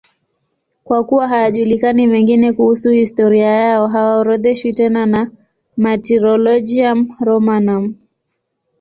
Kwa kuwa hayajulikani mengine kuhusu historia yao, hawaorodheshwi tena na Martyrologium Romanum.